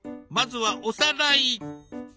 まずはおさらい。